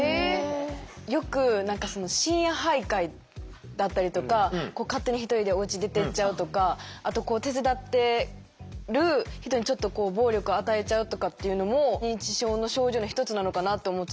よく何か深夜徘徊だったりとか勝手に１人でおうち出てっちゃうとかあと手伝ってる人にちょっとこう暴力与えちゃうとかっていうのも認知症の症状の一つなのかなと思ってたんですけどそれは？